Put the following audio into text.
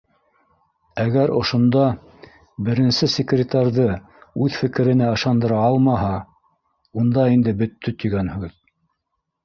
Әгәр ошонда беренсе секретарҙы үҙ фе керенә ышандыра алмаһа, унда инде боттө тигән һүҙ